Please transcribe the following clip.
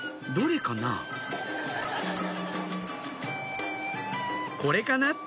「どれかな？」